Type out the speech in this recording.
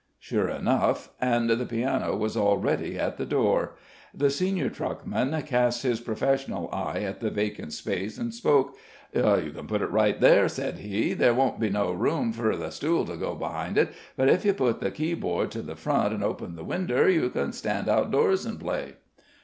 Sure enough; and the piano was already at the door. The senior truckman cast his professional eye at the vacant space, and spoke: "You can put it right there," said he. "There won't be no room fur the stool to go behind it; but if you put the key board to the front, an' open the winder, you can stand outdoors an' play."